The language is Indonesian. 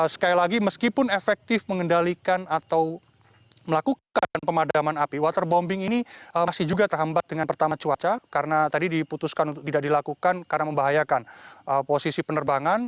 sekali lagi meskipun efektif mengendalikan atau melakukan pemadaman api waterbombing ini masih juga terhambat dengan pertama cuaca karena tadi diputuskan untuk tidak dilakukan karena membahayakan posisi penerbangan